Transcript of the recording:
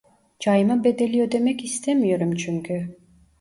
Cayma bedeli ödemek istemiyorum çünkü